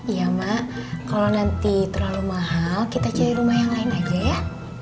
iya mak kalau nanti terlalu mahal kita cari rumah yang lain aja ya